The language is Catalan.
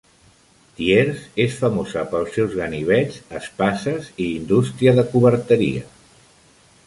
Thiers és famosa pels seus ganivets, espases i indústria de coberteria.